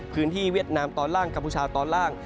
เวียดนามตอนล่างกัมพูชาตอนล่าง